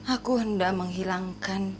aku hendak menghilangkan